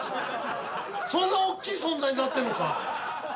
そんなおっきい存在になってんのか。